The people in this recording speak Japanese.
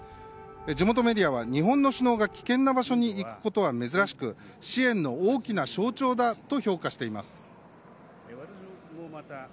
地元メディアは日本の首脳が危険な場所に行くことは珍しく支援の大きな象徴だと評価しています。